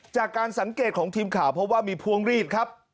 จากการสังเกตของทีมข่าวเพราะว่ามีพวงรีดครับ